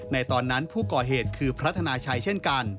ในตอนนั้นผู้ก่อเหตุคือพระธนาชัยเช่นกัน